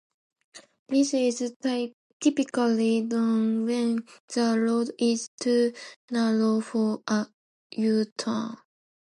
This is typically done when the road is too narrow for a U-turn.